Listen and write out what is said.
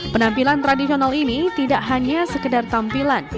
penampilan tradisional ini tidak hanya sekedar tampilan